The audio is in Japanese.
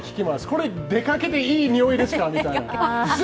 これ、出かけていいにおいですかねみたいな。